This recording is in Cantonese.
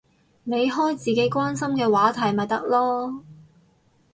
你開自己關心嘅話題咪得囉